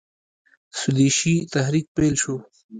سودیشي تحریک پیل شو.